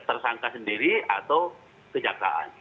tersangka sendiri atau kejaksaan